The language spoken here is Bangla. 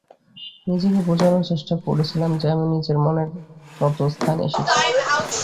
নিজেকে বুঝানোর চেষ্টা করছিলাম যে আমি নিজের মনের মতো স্থানে এসেছি।